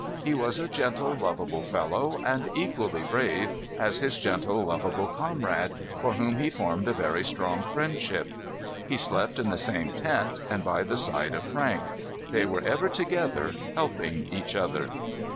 He was a gentle, lovable fellow, and equally brave as his gentle, lovable comrade, for whom he formed a very strong friendship. He slept in the same tent, and by the side of Frank. They were ever together helping each other.